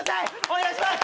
お願いします！